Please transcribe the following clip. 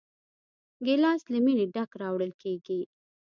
ګیلاس له مینې ډک راوړل کېږي.